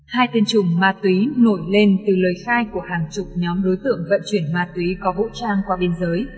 hai tên chùm ma túy nổi lên từ lời khai của hàng chục nhóm đối tượng vận chuyển ma túy có vũ trang qua biên giới